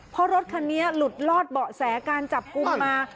เพราะรถคันนี้หลุดลอดเบาะแสการจับกลุ่มมา